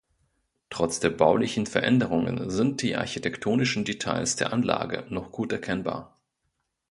Trotz der baulichen Veränderungen sind die architektonischen Details der Anlage noch gut erkennbar.